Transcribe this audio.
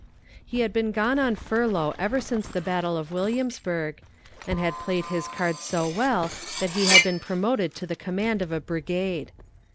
He had been gone on furlough ever since the battle of Williamsburg, and had played his cards so well that he had been promoted to the command of a brigade.